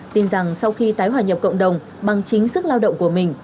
tin rằng sau khi tái hòa nhập cộng đồng bằng chính sức lao động của mình